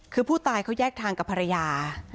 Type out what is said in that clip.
คือผู้ตายเขาแยกทางกับภรรยา